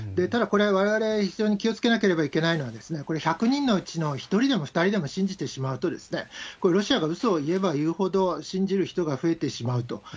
ただ、これ、われわれ非常に気をつけなければならないのは、これ、１００人のうちの１人でも２人でも信じてしまうと、ロシアがうそを言えば言うほど、信じる人が増えてしまうと。